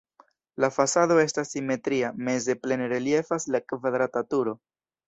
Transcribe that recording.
La fasado estas simetria, meze plene reliefas la kvadrata turo.